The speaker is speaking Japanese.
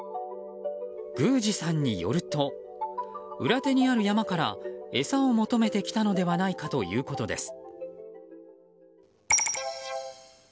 宮司さんによると裏手にある山から餌を求めて来たのではないかということです。